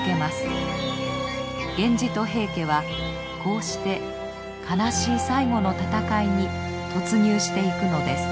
源氏と平家はこうして悲しい最後の戦いに突入していくのです。